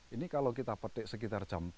ini kalau kita petik sekitar jam empat